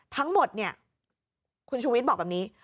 ทั้งหมดเนี่ยคุณชูวิทย์บอกแบบนี้